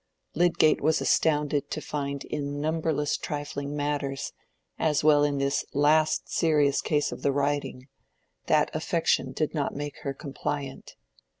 Lydgate was astounded to find in numberless trifling matters, as well as in this last serious case of the riding, that affection did not make her compliant.